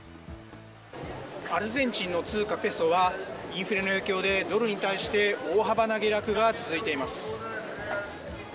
アルゼンチンの通貨ペソは、インフレの影響でドルに対して大幅な下落が続いています。